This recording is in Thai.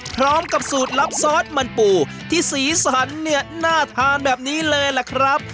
พร้อมกับสูตรลับซอสมันปูที่สีสันหน้าทานแบบนี้เลยล่ะครับ